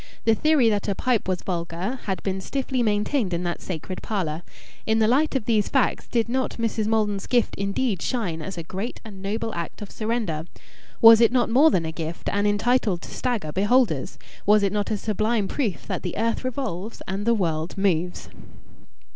The theory that a pipe was vulgar had been stiffly maintained in that sacred parlour. In the light of these facts did not Mrs. Maldon's gift indeed shine as a great and noble act of surrender? Was it not more than a gift, and entitled to stagger beholders? Was it not a sublime proof that the earth revolves and the world moves?